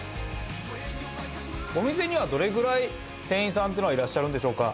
お店にはどれぐらい店員さんっていうのはいらっしゃるんでしょうか？